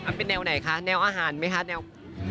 เป็นแนวไหนคะแนวอาหารไหมคะแนว